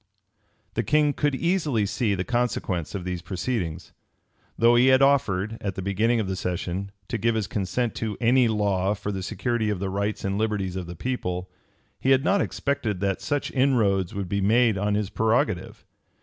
The king could easily see the consequence of these proceedings. Though he had offered, at the beginning of the session, to give his consent to any law for the security of the rights and liberties of the people, he had not expected that such inroads would be made on his prerogative.